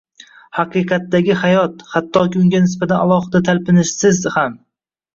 “haqiqatdagi hayot” – hattoki, unga nisbatan alohida talpinishsiz ham